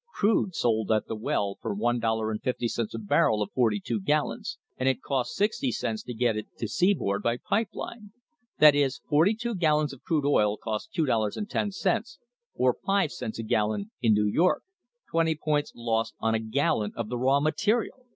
Crude sold at the well for $1.50 a barrel of forty two gallons, and if costs sixty cents to get it to seaboard by pipe line; that is, forty two gallons of crude oil costs $2.10, or five cents a gallon in New York twenty points loss on a gallon of the raw material